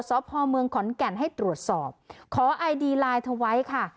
สพเมืองขอนแก่นให้ตรวจสอบขอไอดีไลน์เธอไว้ค่ะ